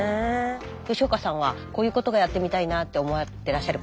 吉岡さんはこういうことがやってみたいなって思ってらっしゃる